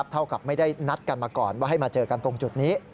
เท่ากับไม่ได้นัดกันมาก่อนว่าให้มาเจอกันตรงจุดนี้